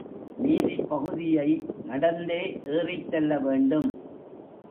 மீதிப்பகுதியை நடந்தே ஏறிச் செல்ல வேண்டும்.